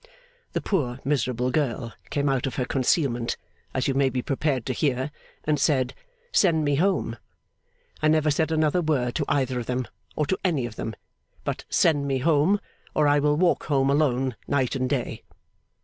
The poor miserable girl came out of her concealment, as you may be prepared to hear, and said, 'Send me home.' I never said another word to either of them, or to any of them, but 'Send me home, or I will walk home alone, night and day!